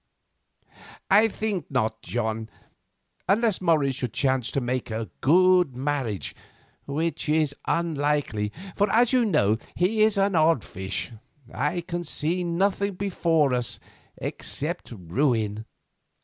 "I think not, John. Unless Morris should chance to make a good marriage, which is unlikely, for, as you know, he is an odd fish, I can see nothing before us except ruin.